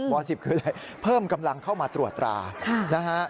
๑๐คืออะไรเพิ่มกำลังเข้ามาตรวจตรานะฮะ